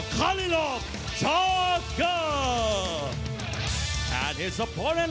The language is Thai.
คอลิลอฟทอร์เกิร์ด